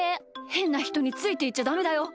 へんなひとについていっちゃダメだよ。